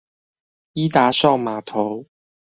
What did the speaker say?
伊達邵碼頭